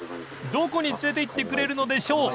［どこに連れていってくれるのでしょう？